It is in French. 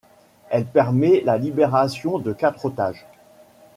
Elle permet la libération de quatre otages.